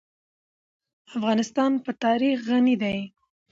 افغانستان په تاریخ غني دی.